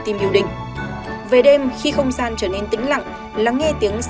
tìm yêu định về đêm khi không gian